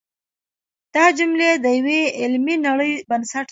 دا جملې د یوې علمي نړۍ بنسټ دی.